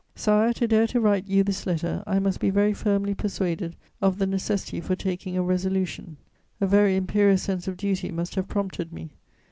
"Sire, to dare to write you this letter, I must be very firmly persuaded of the necessity for taking a resolution; a very imperious sense of duty must have prompted me.